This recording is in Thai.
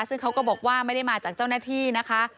ซึ่งเขาก็บอกว่าไม่ได้มาจากเจ้าหน้าที่นะคะ